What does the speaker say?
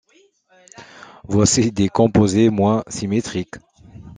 Voici des composés moins symétriques.